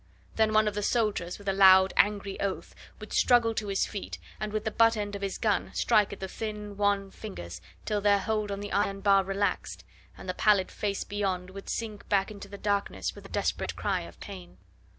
Then one of the soldiers, with a loud, angry oath, would struggle to his feet, and with the butt end of his gun strike at the thin, wan fingers till their hold on the iron bar relaxed, and the pallid face beyond would sink back into the darkness with a desperate cry of pain.